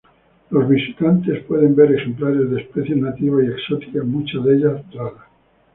Los visitantes pueden ver ejemplares de especies nativas y exóticas muchas de ellas raras.